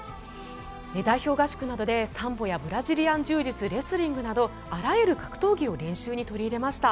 代表合宿などでサンボやブラジリアン柔術レスリングなどあらゆる格闘技を練習に取り入れました。